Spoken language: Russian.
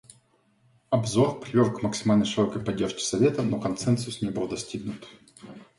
Обзор привел к максимально широкой поддержке Совета, но консенсус не был достигнут.